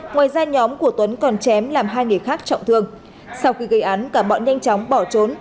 ngoài ra nhóm của tuấn còn chém làm hai người khác trọng thương sau khi gây án cả bọn nhanh chóng bỏ trốn